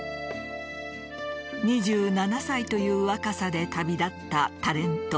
２７歳という若さで旅立ったタレント